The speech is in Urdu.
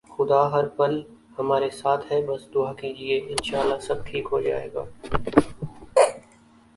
خدا ہر پل ہمارے ساتھ ہے بس دعا کیجئے، انشاءاللہ سب ٹھیک ہوجائےگا